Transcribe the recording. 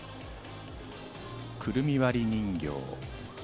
『くるみ割り人形』。